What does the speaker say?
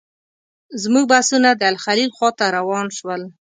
زموږ بسونه د الخلیل خواته روان شول.